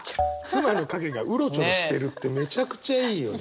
妻の影がうろちょろしてるってめちゃくちゃいいよね。